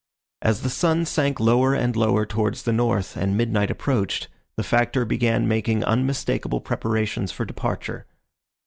As the sun sank lower and lower toward the north and midnight approached, the Factor began making unmistakable preparations for departure.